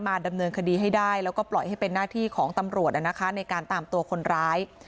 ดำเนินคดีให้ได้แล้วก็ปล่อยให้เป็นหน้าที่ของตำรวจในการตามตัวคนร้าย